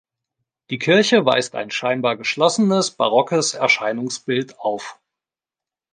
Die Kirche weist ein scheinbar geschlossen barockes Erscheinungsbild auf.